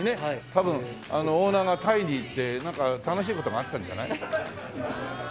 多分あのオーナーがタイに行ってなんか楽しい事があったんじゃない？